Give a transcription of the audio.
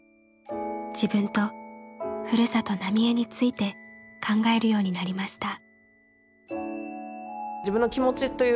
自分と故郷・浪江について考えるようになりました。